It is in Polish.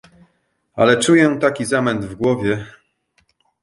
"Ale czuję taki zamęt w głowie."